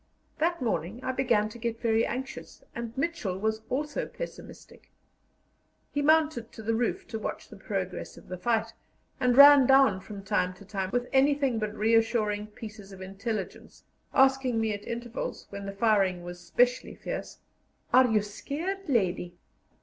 That morning I began to get very anxious, and Mitchell was also pessimistic. He mounted to the roof to watch the progress of the fight, and ran down from time to time with anything but reassuring pieces of intelligence, asking me at intervals, when the firing was specially fierce: "Are you scared, lady?"